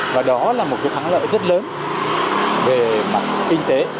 và đó là một thắng lợi rất lớn về mặt kinh tế